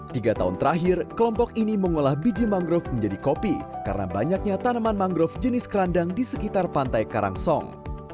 tiga tahun terakhir kelompok ini mengolah biji mangrove menjadi kopi karena banyaknya tanaman mangrove jenis kerandang di sekitar pantai karangsong